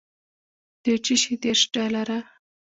د چشي دېرش ډالره.